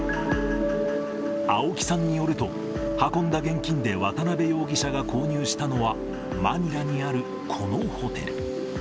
青木さんによると、運んだ現金で渡辺容疑者が購入したのは、マニラにあるこのホテル。